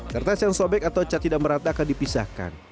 kertas yang sobek atau cat tidak merata akan dipisahkan